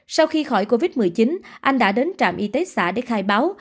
sau khi khỏi covid một mươi chín anh đã đến trạm y tế xã để khai báo